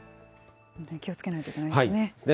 気をつけないといけないですね。